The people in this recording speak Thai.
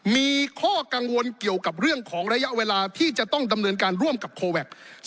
มีข้อกังวลเกี่ยวกับเรื่องของระยะเวลาที่จะต้องดำเนินการร่วมกับโคแวค